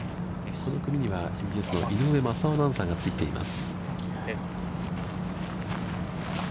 この組にはＭＢＳの井上雅雄アナウンサーがついています。